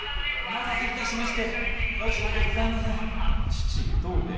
お待たせいたしまして申し訳ございません。